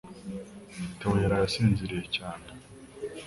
Theo yaraye asinziriye cyane.